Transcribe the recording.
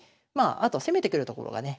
あと攻めてくるところがね